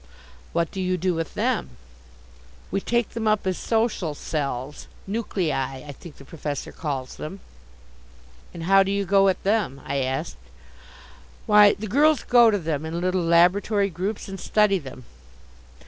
"What do you do with them?" "We take them up as Social Cells, Nuclei, I think the professor calls them." "And how do you go at them?" I asked. "Why, the girls go to them in little laboratory groups and study them."